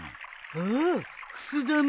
ああくす玉。